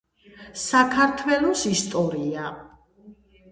საქართველოს ისტორია